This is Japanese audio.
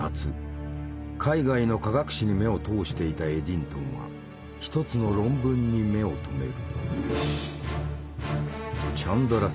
海外の科学誌に目を通していたエディントンは一つの論文に目を留める。